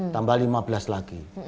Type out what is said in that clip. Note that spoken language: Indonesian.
tambah lima belas lagi